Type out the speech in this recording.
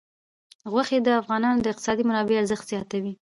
غوښې د افغانستان د اقتصادي منابعو ارزښت زیاتوي.